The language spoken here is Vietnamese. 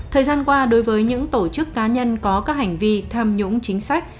thời gian qua đối với những tổ chức cá nhân có các hành vi tham nhũng chính sách